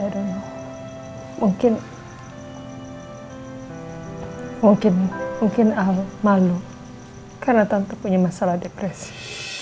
mungkin mungkin mungkin al malu karena tante punya masalah depresi